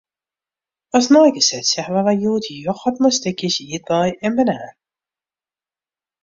As neigesetsje hawwe wy hjoed yochert mei stikjes ierdbei en banaan.